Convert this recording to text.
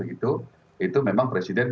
itu memang presiden